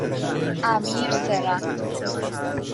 امیرسِراج